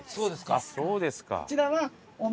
あっそうですか。